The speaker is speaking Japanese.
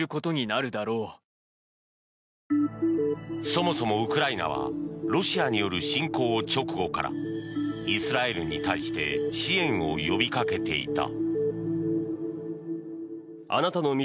そもそもウクライナはロシアによる侵攻直後からイスラエルに対して支援を呼びかけていた。